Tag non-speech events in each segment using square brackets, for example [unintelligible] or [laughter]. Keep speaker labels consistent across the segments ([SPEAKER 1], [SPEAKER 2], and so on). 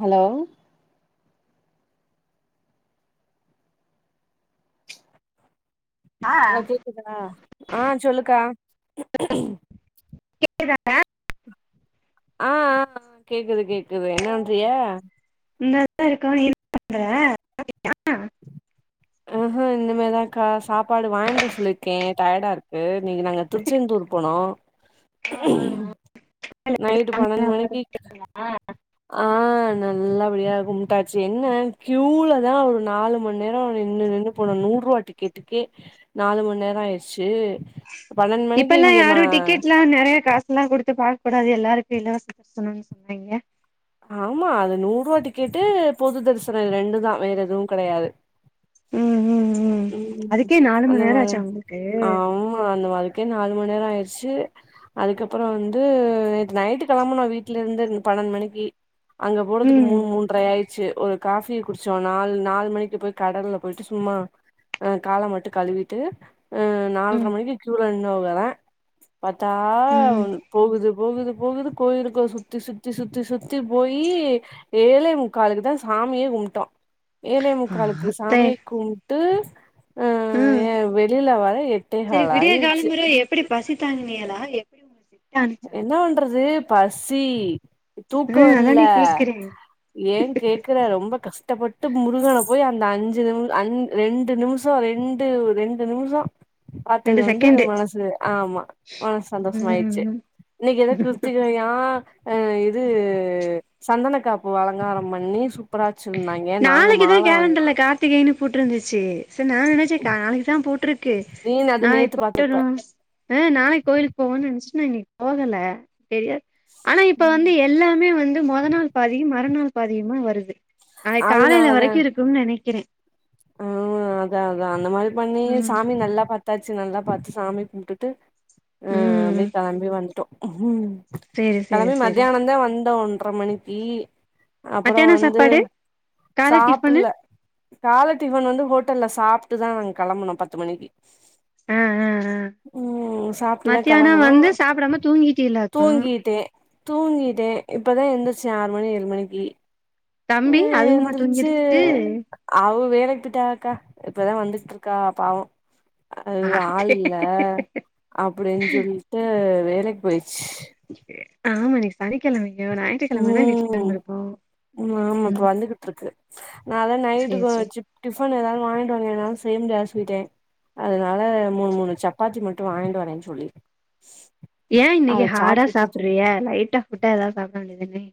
[SPEAKER 1] hello ஆ கேக்குதா ஆ சொல்லுக்கா
[SPEAKER 2] கேக்குதா
[SPEAKER 1] ஆ ஆ கேக்குது கேக்குது என்ன பண்றீக
[SPEAKER 2] இந்தா தா இருக்கோ நீ என்ன பண்ற
[SPEAKER 1] ஆஹ இந்த மாரிதா கா சாப்பாடு வாய்ண்ட்டு வர சொல்லி இருக்கே டயர்டா இருக் இன்னைக்கு நாங்க திருச்செந்தூர் போனோ நைட்டு பன்னெண்டு மணிக்கு ஆ நல்லபடியா கும்பிட்டாச்சு என்ன கியூல தா ஒரு நாலு மணி நேரோ நின்னு நின்னு போனோ நூறு ரூபா டிக்கெட்டுக்கே நாலு மணி நேரோ ஆயிடுச்சு பன்னெண்டு மணிக்கு
[SPEAKER 2] இப்பெல்லா
[SPEAKER 1] இங்க ம
[SPEAKER 2] யாரு டிக்கெட்லா நெறையா காசு எல்லா கொடுத் த்து பாக்கூடாது எல்லாருக்கு இலவச [inaudible] சொன்னாங்கன் சொன்னீங்க
[SPEAKER 1] ஆமா அது நூறு ரூபா டிக்கெட்டு பொது தரிசனோ இது ரெண்டு தா வேற எதுவு கெடையாது
[SPEAKER 2] ம் ம்
[SPEAKER 1] ம்
[SPEAKER 2] அதுக்கே நாலு
[SPEAKER 1] அந்த
[SPEAKER 2] மண் நேரோ
[SPEAKER 1] மாரி
[SPEAKER 2] ஆச்சா உங்களுக்கு
[SPEAKER 1] ஆமா அந்த மாரி இதுக்கே நாலு மணி நேரோ ஆயிடுச்சு அதுக்கப்பறோ வந்து நைட்டு கிளம்புனோ வீட்ல இருந்து பன்னெண்டு மணிக்கு அங்க
[SPEAKER 2] ம்
[SPEAKER 1] போறதுக்குமூணு மூன்றை ஆயிடு செரி ஒரு காபி குடிச்சோ நாலு நாலு மணிக்கு போய் கடல்ல போய்ட்டு சும்மா அ கால மட்டு கழுவிட்டு அ நால்ர
[SPEAKER 2] ம்
[SPEAKER 1] மணிக்கு கியூல நின்ன வுங்கதே பாத்தா
[SPEAKER 2] ம்
[SPEAKER 1] போகுது போகுது போகுது கோயிலுக்குள்ள சுத்தி சுத்தி சுத்தி சுத் பர்ஸ்ட்டு போயி ஏழே முக்காாலுக்கு தா சாமியே கும்ட்டோ ஏழே முக்காலுக்கு
[SPEAKER 2] ஆத்தே
[SPEAKER 1] சாமிய கும்ட்டு எ வெளியில வர எ
[SPEAKER 2] செரி விடிய கால முறை எப்டி பஸ்சு தாண்டுனீங்களா எப்டி உங்கள செட்டா அனுப்ச்சாங்க
[SPEAKER 1] என்ன பண்றது பசி தூக்கோ
[SPEAKER 2] ம்
[SPEAKER 1] இல்ல
[SPEAKER 2] அதானே கேக்குறே
[SPEAKER 1] ஏ கேக்குற ரொம்ப கஷ்டப்பட்டு முருகன போய் அந்த அஞ்சு நிமி அஞ் ரெண்டு நிமிஷோ ரெண்டு ரெண்டு நிமிஷோ பாத்தது
[SPEAKER 2] ரெண்டு
[SPEAKER 1] வந்து
[SPEAKER 2] செகண்டு
[SPEAKER 1] மனசு ஆ ஆமா மனசு சந்தோஷமாயிடுச்சு எத
[SPEAKER 2] ம்
[SPEAKER 1] கிருத்திகையா இது சந்தன காப்பு அலங்காரோ பண்ணி சு சூப்பர் ஆ வச்சு இருந்தாங்கே நாங்க மால வாங்கி போ
[SPEAKER 2] போட்டுருந்துச்சு ச நா நெனச்சே நாளைக்கு தா போட்று கு
[SPEAKER 1] நீ அது
[SPEAKER 2] நா
[SPEAKER 1] நேத்து
[SPEAKER 2] இப்ப
[SPEAKER 1] பாத்துருப்ப
[SPEAKER 2] போட்டுறோ [unintelligible] ஆ நாளை கோயிலுக்கு போவோன்னு நெனச்சிட்டு நா இன்னைக்கு போகல தெரியா ஆனா இப்ப வந்து எல்லாமே வந்து மொத நாள் பாதியு மறுநாள் பாதியுமா வருது நாளை காலையில
[SPEAKER 1] அதனாலதா
[SPEAKER 2] வரைக்கு இருக்கும்னு நெனைக்கிறே
[SPEAKER 1] ஆ அதா அதா அந்த மாரி பண்ணி
[SPEAKER 2] ம்
[SPEAKER 1] சாமி நல்லா பாத்தாச்சு நல்லா பாத்து சாமி கும்டுட்டு ம் அப்டியே கெளம்பி வந்துட்டோ ம்
[SPEAKER 2] சேரி சேரி
[SPEAKER 1] கெளம்பி
[SPEAKER 2] சேரி
[SPEAKER 1] மத்யானந்தா வந்தோ ஒன்ற மணிக்கி அப்புற
[SPEAKER 2] மத்தியான
[SPEAKER 1] வந்து
[SPEAKER 2] சாப்பாடு கால டிஃபனு
[SPEAKER 1] சாப்புல்ல கால டிஃபன் வந்து ஹோட்டல்ல சாப்ட்டு தா நாங்க கெளம்புனோ பத்து மணிக்கு
[SPEAKER 2] ஆ ஆ ஆ
[SPEAKER 1] ம் சாப்ட்டுதா
[SPEAKER 2] மத்தியான
[SPEAKER 1] கெளம்பணு
[SPEAKER 2] வந்து சாப்டாம தூங்கிட்டிலாக்கு
[SPEAKER 1] தூங்கிட்டே தூங்கிட்டே இப்பதா எந்துருச்சே ஆறு மணி ஏழு மணிக்கி
[SPEAKER 2] தம்பி அதுவும்மா தூங்கிடுச்சி
[SPEAKER 1] அவுக வேலக்கி பிட்டாங்கக்கா இப்பதா வந்துட்ருக்காக பாவோ அது ஆள் இல்ல
[SPEAKER 2] ஆ,
[SPEAKER 1] அப்புடின் சொல்ட்டு வேலைக் போயிர்ச்
[SPEAKER 2] ஆமா இன்னிக் சனிக்கெழம அய்யோ ஞாயிற்று கெழமனா எங்க வீட்ல இருந்திருப்போ ம்
[SPEAKER 1] வந்துகுட்ருக்கு நா அதா
[SPEAKER 2] சேரி
[SPEAKER 1] நைட்டுகு
[SPEAKER 2] சேரி
[SPEAKER 1] சிப் டிஃபன் எதாது வாய்ங்கிட்டு வந்தினாலு செய்ய முடியாது சொல்ட்டே அதுனால மூணு மூணு சப்பாத்தி மட்டு வாய்ண்டு வரேன் சொல்லிருக்
[SPEAKER 2] ஏன் இன்னைக்கி ஹாடா சாப்புறீக லைட்டா ஃபுட்டா ஏதாவது சாப்புட வேண்டியது தானே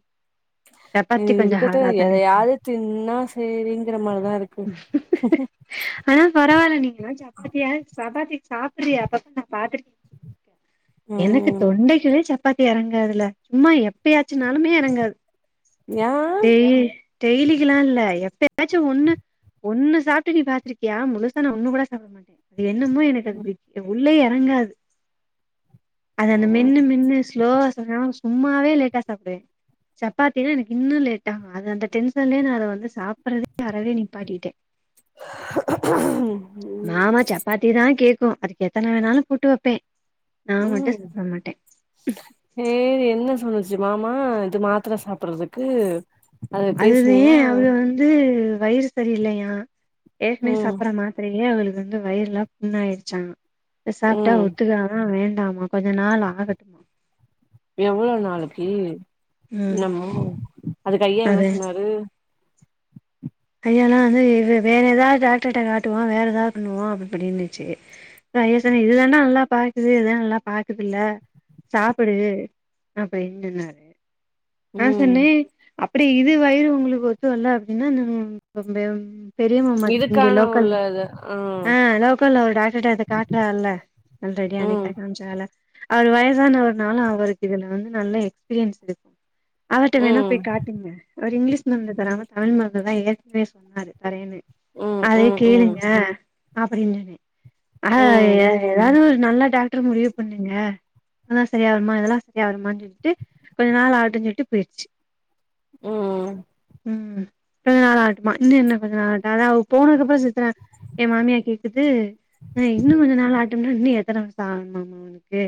[SPEAKER 1] இது இருக்கட்டு
[SPEAKER 2] இருக்கு
[SPEAKER 1] எதையாவது தின்னா சேரிங்கிற மார் தா இருக்கு [inaudible]
[SPEAKER 2] ஆனா பரவால்ல நீங்கனா சப்பாத்தியா சப்பாத்தி சாப்புரிய அப்பப்ப நா பாத்துருக் எனக்கு
[SPEAKER 1] ம்
[SPEAKER 2] தொண்டைகுள்ளே சப்பாத்தி எறங்காதுல சும்மா எப்பயாச்சுனாலுமே எறங்காது
[SPEAKER 1] ஏ
[SPEAKER 2] டெய் டெய்லிக்கலா இல்ல எப்பயாச்சு ஒண்ணு ஒண்ணு சாப்புட்டு நீ பாத்திருக்கியா முழுசானா ஒன்னு கூட சாப்புட மாட்டே அது என்னமோ எனக்கு அது உள்ள எறங்காது அது அந்த மென்னு மென்னு ஸ்லோவா சொன்னா சும்மாவே லேட்டா சாப்டு சப்பாத்தினா எனக்கு இன்னு லேட்டாகு அது அந்த டென்சன்லேயே நா அத வந்து சாப்புறதே அரவே நிப்பாட்டிட்ட
[SPEAKER 1] [inaudible]
[SPEAKER 2] மாமா சப்பாத்தி தா கேக்கு அதுக்கு எத்தன வேணாலு போட்டு வப்பே நா மட்டு
[SPEAKER 1] ம்
[SPEAKER 2] சாப்ட மாட்டே
[SPEAKER 1] ஏ என்ன சொன்னுச்சு மாமா இது மாத்தர சாப்புறதுக்கு
[SPEAKER 2] அதுதே அவுக வந் து வயிறு செரியில்லையா ஏற்கனவே
[SPEAKER 1] ம்
[SPEAKER 2] சாப்புற மாத்தரயே அவளுக வயிறுலா புண்ணாயிடுச்சா து சாப்டா
[SPEAKER 1] ம்
[SPEAKER 2] ஒத்துக்கா ஆ வேண்டாமா கொஞ்ச நாள் ஆகட்டுமா
[SPEAKER 1] எவ்ளோ நாளைக்கி
[SPEAKER 2] ம்
[SPEAKER 1] என்னமோ அதுக்கு ஐயா என்ன
[SPEAKER 2] அது
[SPEAKER 1] சொன்னாரு
[SPEAKER 2] ஐயால்லா வந்து வே வேற ஏதாவது டாக்டர்ட்ட காட்டுவோ வேற ஏதாவது பண்ணுவோ அப்புபுடின்னுச்சி ஜயா சொன்னா இதுதான்டா நல்லா பாக்குது இது தா நல்லா பாக்குதுல்ல சாப்புடு அப்புடின் சொன்னாரு நா
[SPEAKER 1] ம்
[SPEAKER 2] சொன்னே அப்புடி இது வயிறு உங்களுக்கு ஒத்துவல்ல அப்புடினா நா ரொம்ப பெரியமாமாக்
[SPEAKER 1] இதுக்கான
[SPEAKER 2] இங்க லோக்கல்லு
[SPEAKER 1] உள்ளது
[SPEAKER 2] ஆ லோக்கல்ல ஒரு டாக்டர்ட அத காட்லா இல்ல நல்ல ரெடி
[SPEAKER 1] ம்
[SPEAKER 2] ஆனைக்லா காம்ச்சால்ல அவர் வயசானவர்னால அவருக்கு இதுல வந்து நல்ல எக்ஸ்பீரியன்ஸ் இருக்கு அவர்ட்ட வேணா
[SPEAKER 1] ம்
[SPEAKER 2] போய் காட்டுங்க அவர் இங்கிலீஷ் மருந்து தராம தமிழ் மருந்து தா ஏற்கனவே சொன்னாரு தரேனு
[SPEAKER 1] ம்
[SPEAKER 2] அதே
[SPEAKER 1] ம் ம்
[SPEAKER 2] கேளுங்க அப்புடின்னாரு ஆனா
[SPEAKER 1] ம்
[SPEAKER 2] ஏதா ஏதாது ஒரு நல்ல டாக்டர் முடிவு பண்ணுங்க அதெல்லா சரியா வருமா இதெல்லா சரியா வருமான் சொல்ட்டு கொஞ்ச நாள் ஆகட்டுன்னு சொல்ட்டு போய்ருச்சு
[SPEAKER 1] ம்
[SPEAKER 2] ம் பே நல்லாரு டுமா இன்னு என்ன கொஞ்சனா அதாதா அவ போனதுக்கப்புறோ சித்தர எ மாமியா கேக்குது அ இன்னு கொஞ்ச நாள் ஆகட்டுன்னா இன்னு எத்தன வர்சோ ஆகணுமாமா அவனுக்கு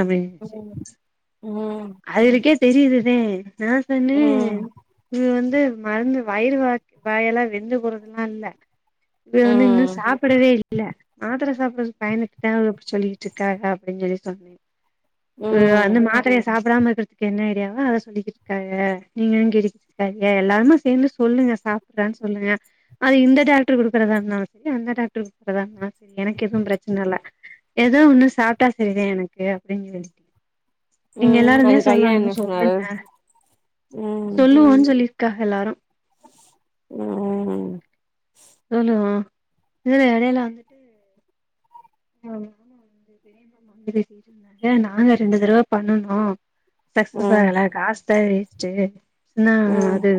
[SPEAKER 2] அப்டின்னுச்சு
[SPEAKER 1] ம் ம்
[SPEAKER 2] அதுகளுக்கே தெரியிதுதே நா சொன்னே
[SPEAKER 1] ம்
[SPEAKER 2] இது வந்து மருந்து வயிறு வா வாயெல்லா வெந்து போறதுல்லா இல்ல நா இன்னு
[SPEAKER 1] ம்
[SPEAKER 2] சாப்படவே இல்ல மாத்தர சாப்பட்றதுக் பயந்துட் தா அவக அப்டி சொல்லிகிட்ருக்காக அப்பிடின் சொல்லி சொன்னே அ
[SPEAKER 1] ம்
[SPEAKER 2] அந்த மாத்தரய சாப்படாம இருக்கற்துக் என்ன ஐடியாவோ அத சொல்லிகிட்ருக்காக நீங்களு கேட்டுகிட் சரியா எல்லாருமே சேந்து சொல்லுங்க சாப்பட்லான் சொல்லுங்க அது இந்த டாக்டர் குடுக்கறதா இருந்தாலு செரி அந்த டாக்டர் குடுக்கறதா இருந்தாலு செரி எனக்கு எதுவு பிரச்சன இல்ல எதோ ஒன்னு சாப்ட்டா செரிதா எனக்கு அப்டின் சொல்லி நீங்க
[SPEAKER 1] ம்
[SPEAKER 2] எல்லாருந்தே
[SPEAKER 1] அதுக்கு ஐயா
[SPEAKER 2] சொல்லணு
[SPEAKER 1] என்ன சொன்னாரு
[SPEAKER 2] சொல்லுங்க
[SPEAKER 1] ம்
[SPEAKER 2] சொல்லுவோன் சொல்லிர்க்காக எல்லாரு
[SPEAKER 1] ம்
[SPEAKER 2] சொல்லுவோ இவுக எடைல வந்து எங்க மாமா வந்து பெரிய மாமா வந்து பேசிகிட்ருந்தாக நாங்க ரெண்டு தடவ பண்ணுனோ
[SPEAKER 1] ம்
[SPEAKER 2] சக்சஸ்
[SPEAKER 1] ம்
[SPEAKER 2] ஆகல காஸ் தா வேஸ்ட்டு நா
[SPEAKER 1] ம்
[SPEAKER 2] அது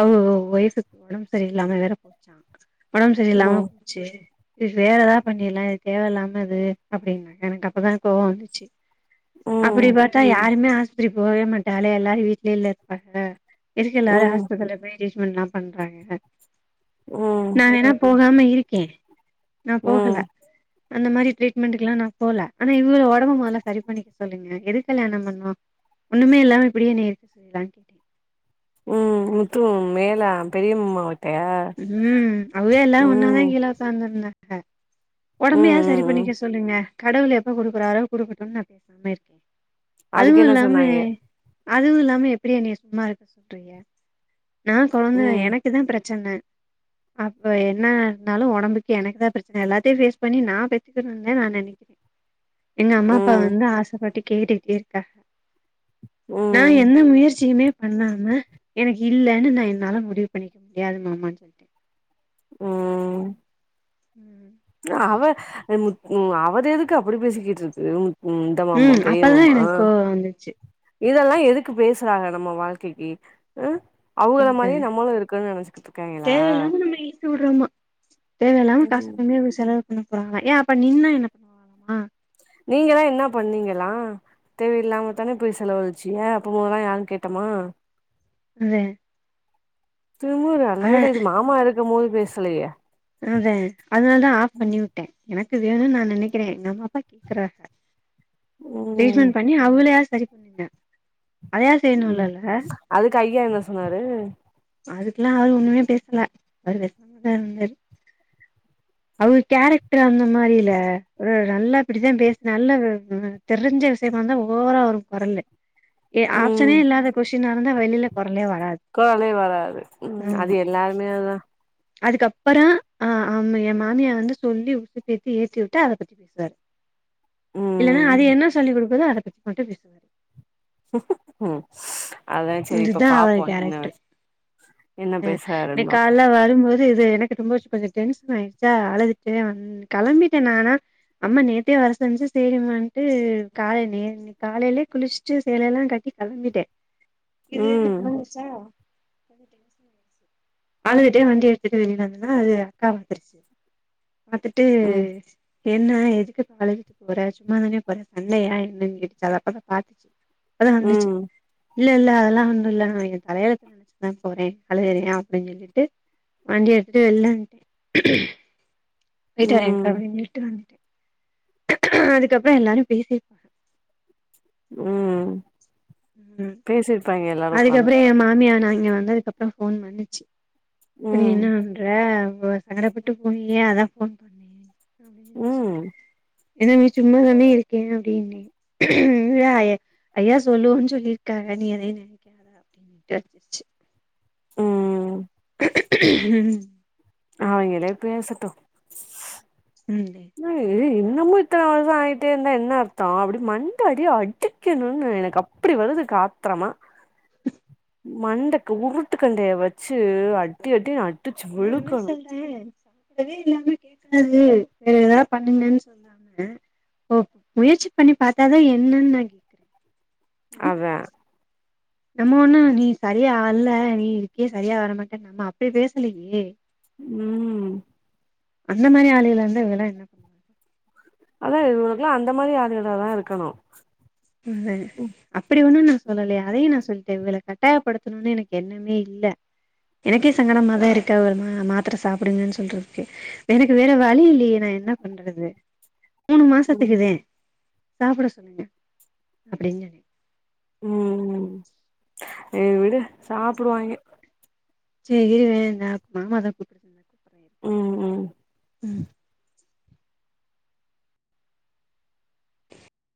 [SPEAKER 2] அவுக ஒய்ஃபுக் ஒடம் செரி இல்லாம வேற போச்சா ஒடம் செரி இல்லாம
[SPEAKER 1] ம்
[SPEAKER 2] சேரி இதுக் வேற எதா பண்ணீர்லா தேவல்லாம இது அப்டின்னாங்க எனக்கு அப்பதா கோவோ வந்துச்சு அப்பிடி
[SPEAKER 1] ம்
[SPEAKER 2] பாத்தா யாருமே ஆஸ்பத்திரிக் போவே மாட்டாகளே எல்லாரு வீட்லயே இல்ல இருப்பாக எதுக்கு எல்லாரு ஹாஸ்பிட்டல்ல போய் ட்ரீட்மெண்ட்லா பண்றாங்க
[SPEAKER 1] ம்
[SPEAKER 2] நாங்க வேணா போகாம இரு க்கே நா போகல
[SPEAKER 1] ம்
[SPEAKER 2] அந்த மாரி ட்ரீட்மென்டுக்குலா நா போல ஆனா இவுங்கள ஒடம்ப மொதல்ல சரி பண்ணிக்க சொல்லுங்க எதுக் கல்யாணம் பண்ணோ ஒன்னுமே இல்லாம இப்பிடியே என்ன இருக்க சொல்லி இதாக்கிட்டீங்க
[SPEAKER 1] ம் முத்து மேலா பெரியம்மா வ
[SPEAKER 2] ம் அவுக எல்லா ஒன்னாதா
[SPEAKER 1] ம்
[SPEAKER 2] கீழ ஒக்காந்திருந்தாக
[SPEAKER 1] ம்
[SPEAKER 2] ஒடம்பயாது சரி
[SPEAKER 1] ம் ம்
[SPEAKER 2] பண்ணிக்க சொல்லுங்க கடவுள் எப்ப குடுக்கறாரோ குடுக்கட்டுன் நா பேசாம இருக்கே அதுவு
[SPEAKER 1] அதுக்கு என்ன
[SPEAKER 2] இல்லாம
[SPEAKER 1] சொன்னாங்க
[SPEAKER 2] அதுவு இல்லாம எப்பிடி என்னய சும்மா இருக்க சொல்றீக நா கொழந்த
[SPEAKER 1] ம்
[SPEAKER 2] எனக்குதா பிரச்சன அப்ப என்னா இர்ந்தாலு ஒடம்புக்கு எனக்குதா பிரச்சன எல்லாத்தயு ஃபேஸ் பண்ணி நா பெத்துக்கணு தா நா நெனைக்கிறே எங்க அம்மா அப்பா
[SPEAKER 1] ம்
[SPEAKER 2] வந்து ஆசப்பட்டு கேட்டுகிட்டே இருக்காக நா
[SPEAKER 1] ம்
[SPEAKER 2] எந்த முயற்சியுமே பண்ணாம எனக்கு இல்லன்னு நா என்னால முடிவு பண்ணிக்க முடியாது மாமான் சொல்லிட்டே
[SPEAKER 1] ஓ
[SPEAKER 2] ம்
[SPEAKER 1] அவ ம் முத் உ அவுரு எதுக்கு அப்பிடி பேசிகிட்ருக்கு ம் இந்த மாமா
[SPEAKER 2] ம்
[SPEAKER 1] பெரிய
[SPEAKER 2] அப்பதா
[SPEAKER 1] மாமா
[SPEAKER 2] எனக்கு கோவோ வந்துச்சு
[SPEAKER 1] இதெல்லா எதுக்கு பேசறாக நம்ம வாழ்க்கைக்கு ம் அவுங்கள
[SPEAKER 2] அந்த
[SPEAKER 1] மாரியே நம்மளு இருக்கனுன் நெனச்சிக்கிட்ருக்காய்களா
[SPEAKER 2] தேவல்லாம காச கம்மியா போய் செலவு பண்ண போறாங்களா ஏ அப்ப நின்னா என்ன பண்ணுவாங்களா
[SPEAKER 1] நீங்கதா என்னா பண்ணீங்களா தேவயில்லாம தான போய் செலவ்வள்ச்சீக அப்போ மொதலா யாரு கேட்டம்மா
[SPEAKER 2] அதே
[SPEAKER 1] திமிரு நல்லவேள இது மாமா இருக்கம்மோது பேசலயே
[SPEAKER 2] அதே அதுனால் தா ஆஃப் பண்ணி உட்டே எனக்கு வேணுன் நா நெனைக்கிறே எங்க அம்மா அப்பா கேக்கறாக
[SPEAKER 1] ம்
[SPEAKER 2] ட்ரீட்மெண்ட் பண்ணி அவுங்களயாது சரி பண்ணுங்க அதயாது செய்ணுல்லல்ல
[SPEAKER 1] அதுக்கு ஐயா என்ன சொன்னாரு
[SPEAKER 2] அதுக்கெல்லா அவரு ஒண்ணுமே பேசல அவரு தா இருந்தாரு அவுங்க கேரக்டர் அந்த மாரில ஒரு நல்லா இப்டித்தா பேச நல்ல தெரிஞ்ச விஷயமா இருந்தா ஓவரா வரூ கொரலு ஏ
[SPEAKER 1] ம்
[SPEAKER 2] ஆப்சனே இல்லாத கொஷினா இருந்தா வெளிலே கொரலே வராது
[SPEAKER 1] கொரல வராது ம் அது எல்லாருமே தா
[SPEAKER 2] அதுக்கப்பறொ அ ஆமா ஏ மாமியா வந்து சொல்லி உசுபேத்தி ஏத்தி உட்டு அத பத் சர் இல்லனா
[SPEAKER 1] ம்
[SPEAKER 2] அது என்ன சொல்லிக் குடுக்குதோ அத பத்தி மட்டு பேசுவாரு
[SPEAKER 1] ம் அதா செரி இப்ப
[SPEAKER 2] இதுதா அவரு
[SPEAKER 1] பாப்போ என்ன
[SPEAKER 2] கேரக்டர்
[SPEAKER 1] என்ன
[SPEAKER 2] அ
[SPEAKER 1] பேசுறாருன்னு
[SPEAKER 2] இன்னிக் கால
[SPEAKER 1] பாப்போ
[SPEAKER 2] ல வரும்போது இது இது எனக்கு ரொம்ப வு கொஞ்சொ டென்ஷன் ஆயிடுச்சா அழுதுட்டே வந் கெளம்பிட்டே நா அம்மா நேத்தே வர சொன்ச்சி செரின் வன்ட்டு கால நே காலைலே குளிச்சுட்டு சேலல்லா கட்டி கெளம்பிட்டே இது
[SPEAKER 1] ம்
[SPEAKER 2] வந்துச்சா கொஞ்ச டென்ஷனாய்டுச்சி அழுந்துட்டே வண்டி எடுத்துட்டு வெளிய வந்த அது அக்கா வந்துருச்சு பாத்துட்டு
[SPEAKER 1] ம்
[SPEAKER 2] என்ன எதுக்கு இப்ப அழுதுட் டு போற சும்தா தானே போற சண்டயா என்னன்னு கேட்டுச்சு அதப்பதா பாத்துச்சு அப்பதா வந்துச்சு
[SPEAKER 1] ம்
[SPEAKER 2] இல்ல இல்ல அதெல்லா ஒன்னுல்ல ஏ தலயெழுத்த நெனைச்சுதா போறே அழுகுறே அப்டின்னு சொல்ட்டு வண்டி எடுத்துட்டு வெள வன் வீட்டுகார் இர்க்காரு
[SPEAKER 1] ம்
[SPEAKER 2] அப்டின்னுட்டு வந்துட்டே அதுக்கப்றொ எல்லாரு பேசி
[SPEAKER 1] ம்
[SPEAKER 2] ம்
[SPEAKER 1] பேசிருப்பாங்க எல்லாரு உக்காந்து
[SPEAKER 2] அதுக்கப்றொ ஏ மாமியா நா இங்க வந்த க்கப்றொ ஃபோன் பண்ணுச்சு அது
[SPEAKER 1] ம்
[SPEAKER 2] என்ன இல்ல சங்கடப்பட்டு போனீயே அதா ஃபோன் பண்ணே
[SPEAKER 1] ம்
[SPEAKER 2] [inaudible] இல்ல நீ சும்மா நானே இருக்கே அப்டின்னே இல்ல ஐயா சொல்லுவன்ன சொல்லிருக்கா நீ எதயு நெனைக்காத அப்டின்னுட்டு வந்துருச்சு
[SPEAKER 1] ம்
[SPEAKER 2] ம்
[SPEAKER 1] அவிங்களே பேசட்டூ
[SPEAKER 2] ம்
[SPEAKER 1] இ இன்னமு இத்தன வருஷொ ஆயிட்டே இருந்தா என்ன அர்த்தொ அப்டி மண்டடி அடி க்கணுனு எனக்கு அப்டி வருது க ஆத்ரமா மண்ட உருட்டுக்கண்டய வச்சு அடி அடி அ
[SPEAKER 2] நானே சல் றோ [unintelligible] இதெல்லா பண்ணுங்கனு சொன்னாங்க ஓ முயற்சி பண்ணி பாத்தாதா என்னன் நா கேக்குறே ம்
[SPEAKER 1] அதா
[SPEAKER 2] நம்ம ஒண்ணு நீ சரியா அல்ல நீ இருக்கே சரியா வரமாட்டே நம்ம அப்டி பேசலயே
[SPEAKER 1] ம்
[SPEAKER 2] அந்த மாதிரி ஆளூகளார்ந்தா இவல்லா என்ன பண்
[SPEAKER 1] அதா இவுனுக்கெல்லா அந்த மாதிரி ஆளூகலா தா இருக்கணு
[SPEAKER 2] செரி
[SPEAKER 1] ம்
[SPEAKER 2] அப்டி ஒண்ணு நா சொல்லல அதயு நா சொல்ட்ட ஒங்கள கட்டாயப்படுத்தணுனு எனக்கு எண்ணமே இல்ல எனக்கே சங்கடமா தா இருக்கு அவர் மா மாத்திர சாப்டுங்கன்னு சொல்றதுக்கு எனக்கு வேற வழி இல்லையே நா என்னா பண்றது மூணு
[SPEAKER 1] ம்
[SPEAKER 2] மாசத்துக்குதே சாப்புட சொல்லுங்க அப்டின்னு
[SPEAKER 1] ம் ம் நீ விடு சாப்புடுவாய்ங்க
[SPEAKER 2] செரி இருவே நா மாமாதா கூப்டு [inaudible]
[SPEAKER 1] ம் ம்
[SPEAKER 2] ம்